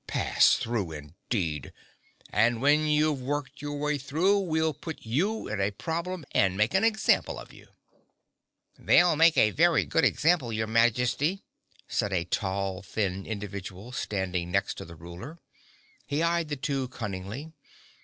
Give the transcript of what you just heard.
Pass through, indeed! And when you've worked your way through we'll put you in a problem and make an example of you." "They'll make a very good example, your Majesty," said a tall thin individual standing next to the Ruler. He eyed the two cunningly.